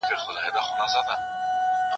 گواکي موږ به تل له غم سره اوسېږو